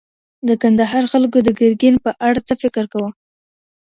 د کندهار خلګو د ګرګين په اړه څه فکر کاوه؟